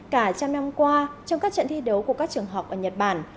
cả trăm năm qua trong các trận thi đấu của các trường học ở nhật bản